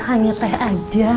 hanya teh aja